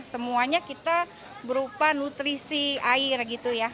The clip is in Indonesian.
semuanya kita berupa nutrisi air gitu ya